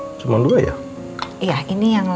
donter satu perempuan kevit masa sempet tinggal